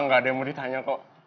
gak gak ada yang mau ditanya kok